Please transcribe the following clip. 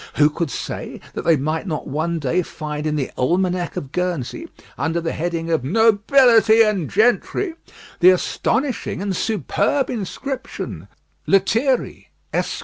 who could say that they might not one day find in the almanack of Guernsey, under the heading of "Nobility and Gentry," the astonishing and superb inscription, _Lethierry, Esq.